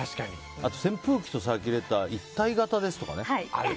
あと、扇風機とサーキュレーターが一体型とかね。